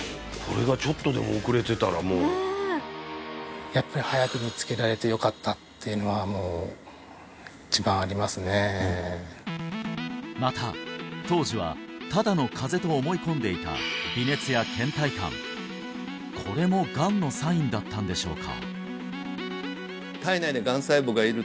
これがやっぱりっていうのはもう一番ありますねまた当時はただの風邪と思い込んでいた微熱や倦怠感これもがんのサインだったんでしょうか？